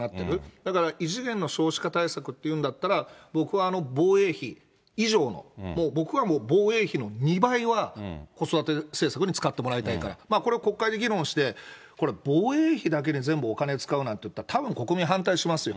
だから、異次元の少子化対策っていうんだったら、僕は防衛費以上の、僕はもう防衛費の２倍は、子育て政策に使ってもらいたいから、これは国会で議論して、これ、防衛費だけに全部お金を使うなんて言ったら、たぶん国民は反対しますよ。